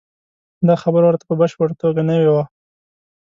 دا خبره ورته په بشپړه توګه نوې وه.